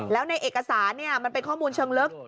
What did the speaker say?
แล้วในเอกสารมันเป็นข้อมูลเชิงลึก